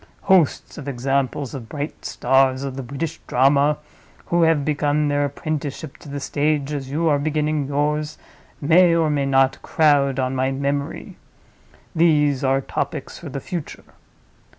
Hosts of examples of bright stars of the British drama, who have begun their apprenticeship to the stage as you are beginning yours, may, or may not, crowd on my memory. These are topics for the future.